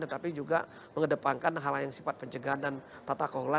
tetapi juga mengedepankan hal hal yang sifat pencegahan dan tata kelola